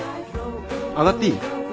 上がっていい？